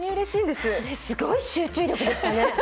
すごい集中力でしたね。